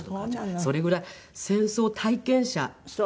それぐらい戦争体験者ですら。